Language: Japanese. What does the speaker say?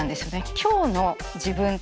今日の自分。